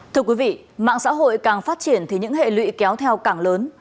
thưa quý vị mạng xã hội càng phát triển thì những hệ lụy kéo theo càng lớn